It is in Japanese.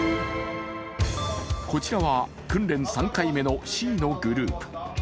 こちらは訓練３回目のＣのグループ。